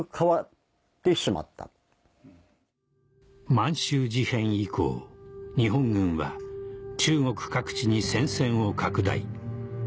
満洲事変以降日本軍は中国各地に戦線を拡大